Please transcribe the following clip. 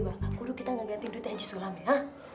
bang kudu kita ga gantiin duit aja sulam ya